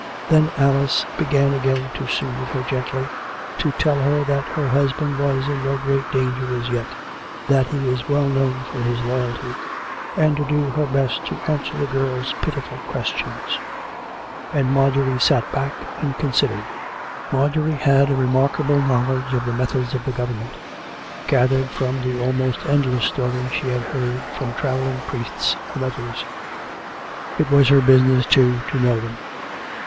Then Alice began again to soothe her gently, to tell her that her husband was in no great danger as yet, that he was well known for his loyalty, and to do her best to answer the girl's pitiful questions. And Marjorie sat back and considered. Marjorie had a remarkable knowledge of the methods of the Government, gathered from the almosrt endless stories she had heard from travelling priests and others; it was her business, too, to know them.